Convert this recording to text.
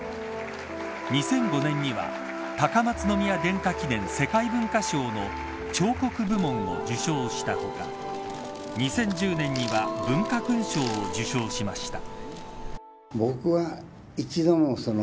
２００５年には高松宮殿下記念世界文化賞の彫刻部門を受賞したほか２０１０年には文化勲章を受章しました。